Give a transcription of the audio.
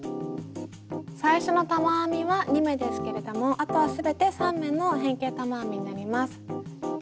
最初の玉編みは２目ですけれどもあとは全て３目の変形玉編みになります。